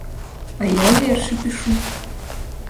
А я і вершы пішу.